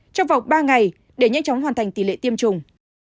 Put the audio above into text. trong vòng ba ngày để nhanh chóng hoàn thành tỷ lệ tiêm chủng